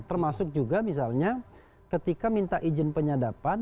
termasuk juga misalnya ketika minta izin penyadapan